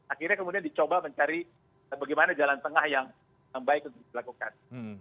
akhirnya kemudian dicoba mencari bagaimana jalan tengah yang baik untuk dilakukan